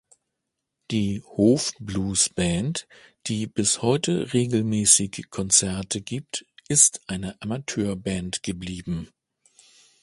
Die Hof-Blues-Band, die bis heute regelmäßig Konzerte gibt, ist eine Amateurband geblieben.